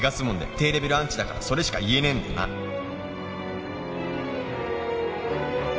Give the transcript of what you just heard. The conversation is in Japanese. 「低レヴェルアンチだからそれしか言えねえんだなｗｗ」